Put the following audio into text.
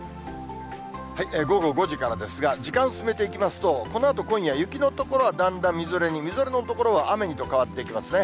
午後５時からですが、時間進めていきますと、このあと今夜、雪の所はだんだんみぞれに、みぞれの所は雨にと変わっていきますね。